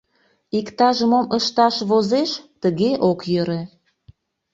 Иктаж-мом ышташ возеш, тыге ок йӧрӧ...